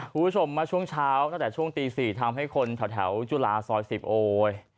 ผู้ชมมาช่วงเช้าตั้งแต่ช่วงตีสี่ทำให้คนแถวแถวจุฬาซอยสิบโอ้ย